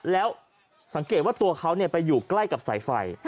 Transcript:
แล้วสังเกตว่าตัวเขาไปอยู่ใกล้กับสายไฟ